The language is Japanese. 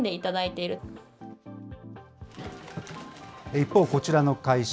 一方、こちらの会社。